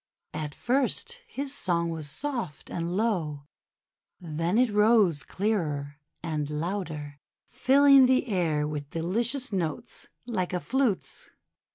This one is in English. At first his song w^as soft and low, then it rose clearer and louder, filling the air with delicious notes like a flute's.